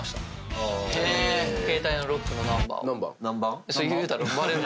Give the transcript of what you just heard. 携帯のロックのナンバーを。